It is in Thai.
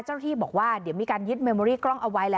ที่บอกว่าเดี๋ยวมีการยึดเมมอรี่กล้องเอาไว้แล้ว